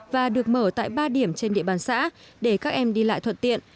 và được mở tại ba điểm trên địa bàn xã để các em đi lại thuận tiện